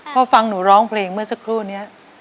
พอฟังหนูร้องเพลงเมื่อสักครู่นี้